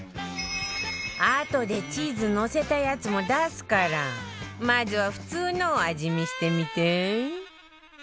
あとでチーズのせたやつも出すからまずは普通のを味見してみて